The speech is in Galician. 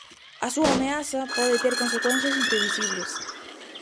A súa ameaza pode ter consecuencias imprevisibles.